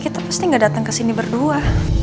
kita pasti gak dateng kesini berdua